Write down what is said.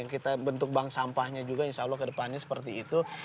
kita bentuk bank sampahnya juga insya allah kedepannya seperti itu